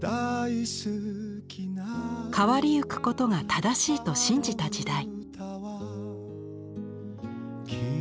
変わり行くことが正しいと信じた時代。